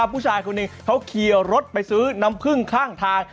ผู้ชายคนหนึ่งเขาขี่รถไปซื้อน้ำผึ้งข้างทาง